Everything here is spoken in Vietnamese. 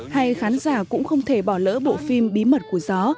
hay khán giả cũng không thể bỏ lỡ bộ phim bí mật của gió